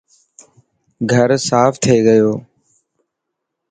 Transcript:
گهر صاف ٿي گيو.